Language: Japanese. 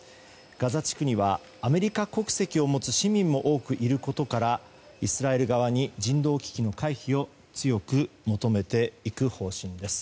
ガザ地区にはアメリカ国籍を持つ市民も多くいることからイスラエル側に人道危機の回避を強く求めていく方針です。